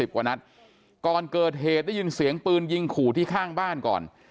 กว่านัดก่อนเกิดเหตุได้ยินเสียงปืนยิงขู่ที่ข้างบ้านก่อน